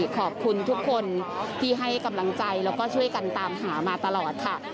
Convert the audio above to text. ขอบคุณทุกคนที่ให้กำลังใจแล้วก็ช่วยกันตามหามาตลอดค่ะ